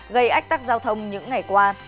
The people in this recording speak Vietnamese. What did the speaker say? gây ách tắc giao thông những ngày qua